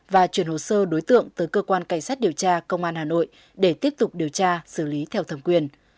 và chuyển hồ sơ đối tượng tới cơ quan cảnh sát điều tra công an hà nội để tiếp tục điều tra xử lý theo thẩm quyền